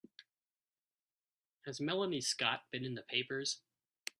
Has Melanie Scott been in the papers?